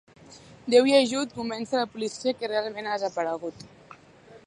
Déu i ajut convèncer la policia que realment ha desaparegut.